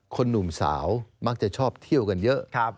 หนุ่มสาวมักจะชอบเที่ยวกันเยอะ